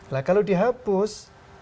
nah kalau dihapus